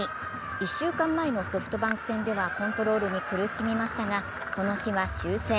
１週間前のソフトバンク戦ではコントロールに苦しみましたが、この日は修正。